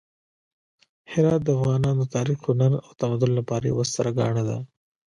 هرات د افغانانو د تاریخ، هنر او تمدن لپاره یوه ستره ګاڼه ده.